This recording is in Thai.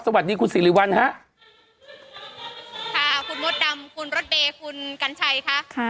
สวัสดีคุณสิริวัลฮะค่ะคุณมดดำคุณรถเมย์คุณกัญชัยค่ะ